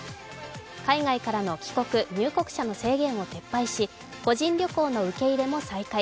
海外からの帰国・入国者の制限を撤廃し個人旅行の受け入れも再開。